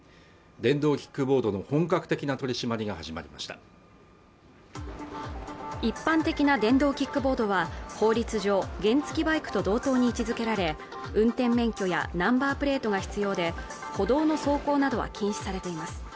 電動キックボードの本格的な取締りが始まりました一般的な電動キックボードは法律上原付バイクと同等に位置づけられ運転免許やナンバープレートが必要で歩道の走行などは禁止されています